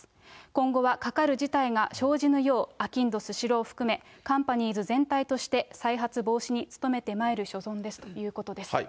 今後は、かかる事態が生じぬよう、あきんどスシロー含め、カンパニーズ全体として再発防止に努めてまいる所存ですということです。